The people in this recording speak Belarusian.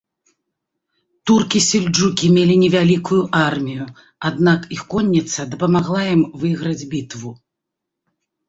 Туркі-сельджукі мелі невялікую армію, аднак іх конніца дапамагла ім выйграць бітву.